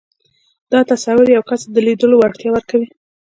دا تصور يو کس ته د ليدلو وړتيا ورکوي.